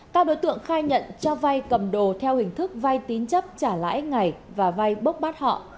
các đối tượng khai nhận cho vay cầm đồ theo hình thức vay tín chấp trả lãi ngày và vay bốc bắt họ